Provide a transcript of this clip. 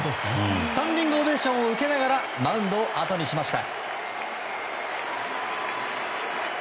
スタンディングオベーションを受けながらマウンドをあとにしました。